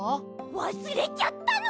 わすれちゃったの！？